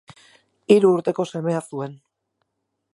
Hiru urteko semea zuen.